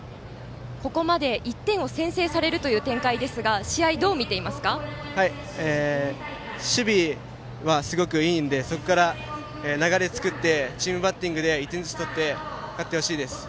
ここまで、１点を先制されるという展開ですが守備はすごくいいんでそこから流れつかんでチームバッティングで１点ずつ取って勝ってほしいです。